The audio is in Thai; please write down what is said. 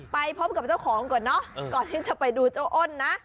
ไปพบกับเจ้าของก่อนเนอะก่อนที่จะไปดูเจ้าอ้นนะ